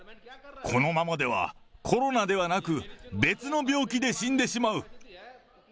このままではコロナではなく、別の病気で死んでしまう。